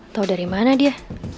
tau dari mana dia